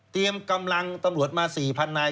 เตรียมกำลังตำรวจมา๔๐๐๐นาย